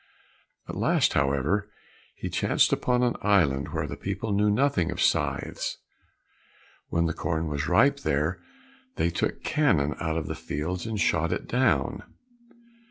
At last, however, he chanced upon an island where the people knew nothing of scythes. When the corn was ripe there, they took cannon out to the fields and shot it down.